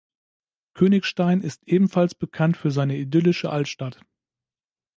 Königstein ist ebenfalls bekannt für seine idyllische Altstadt.